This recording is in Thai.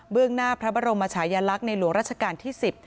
เบื้องหน้าพระบรมราชายลักษณ์ในรุงราชการที่๑๐